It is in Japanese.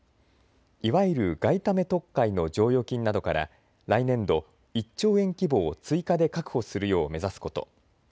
いわゆる外為特会の剰余金などから来年度１兆円規模を追加で確保するよう目指すこと。